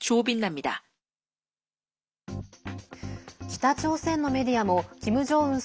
北朝鮮のメディアもキム・ジョンウン